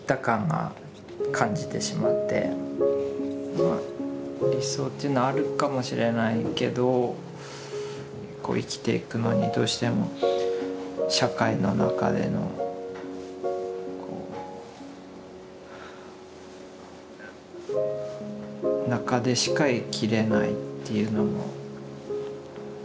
でそれから理想っていうのはあるかもしれないけど生きていくのにどうしても社会の中での中でしか生きれないっていうのもあるし。